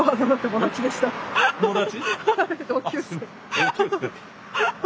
友達？